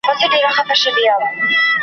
بېرته شړل کېږي.